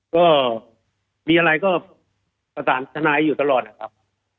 ก็มีอะไรก็ตามทนายอยู่ตลอดครับ